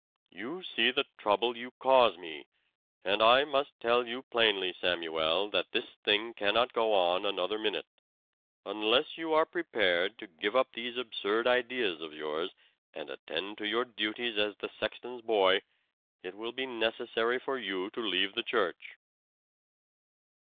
"You see the trouble you cause me! And I must tell you plainly, Samuel, that this thing cannot go on another minute. Unless you are prepared to give up these absurd ideas of yours and attend to your duties as the sexton's boy, it will be necessary for you to leave the church."